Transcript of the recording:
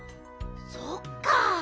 そっか。